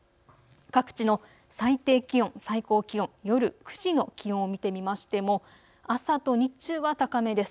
各地の最低気温、最高気温、夜９時の気温を見てみましても朝と日中は高めです。